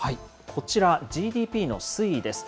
こちら、ＧＤＰの推移です。